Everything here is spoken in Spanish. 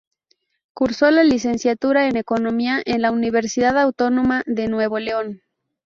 Cursó la licenciatura en economía en la Universidad Autónoma de Nuevo León.